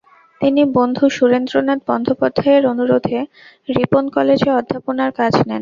তিনি বন্ধু সুরেন্দ্রনাথ বন্দ্যোপাধ্যায়ের অনুরোধে রিপন কলেজে অধ্যাপনার কাজ নেন।